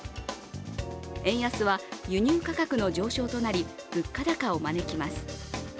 円安は輸入価格の上昇となり物価高を招きます